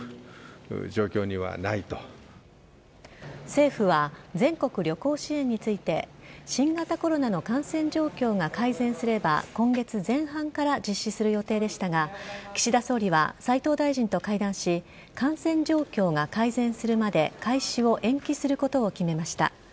政府は全国旅行支援について新型コロナの感染状況が改善すれば今月前半から実施する予定でしたが岸田総理は斉藤大臣と会談し感染状況が改善するまで開始を延期することを決めました。